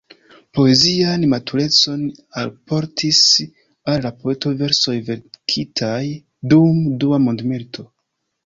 Poezian maturecon alportis al la poeto versoj verkitaj dum Dua mondmilito.